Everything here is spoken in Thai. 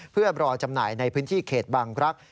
เพื่อรอจำหน่ายในพื้นที่เขตบางรักษ